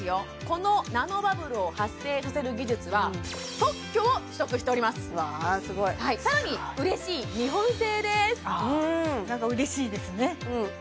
このナノバブルを発生させる技術は特許を取得しておりますわすごいさらにうれしいうんなんかうれしいですね